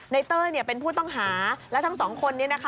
เต้ยเป็นผู้ต้องหาและทั้งสองคนนี้นะคะ